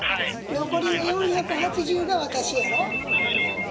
残りの４８０が私やろ？